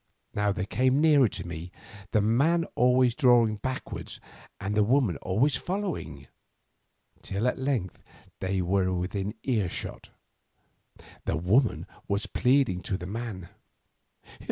Now they came nearer to me, the man always drawing backward and the woman always following, till at length they were within earshot. The woman was pleading with the man.